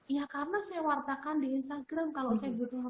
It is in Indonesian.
ya karena saya wartakan di instagram kalau saya butuh